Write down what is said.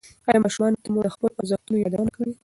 ایا ماشومانو ته مو د خپلو ارزښتونو یادونه کړې؟